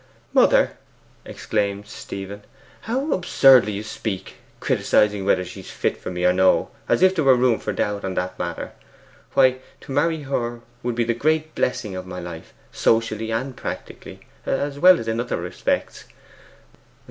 'Mother,' exclaimed Stephen, 'how absurdly you speak! Criticizing whether she's fit for me or no, as if there were room for doubt on the matter! Why, to marry her would be the great blessing of my life socially and practically, as well as in other respects.